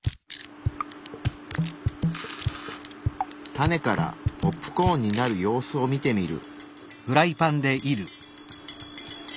種からポップコーンになる様子を見てみる。